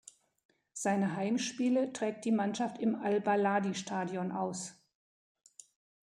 Seine Heimspiele trägt die Mannschaft im al-Baladi-Stadion aus.